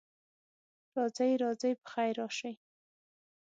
راځئ، راځئ، پخیر راشئ.